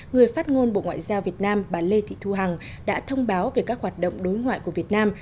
người phát ngôn bộ ngoại giao việt nam bà lê thị thu hằng đã thông báo về các hoạt động đối ngoại của việt nam